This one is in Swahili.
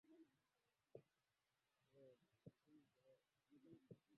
hiyo sasa naweza aa uju ujumbe naweza nikapeana kwa hawa wakubwa